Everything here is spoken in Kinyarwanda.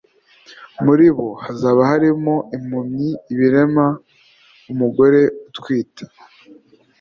muri bo hazaba harimo impumyi, ibirema, umugore utwite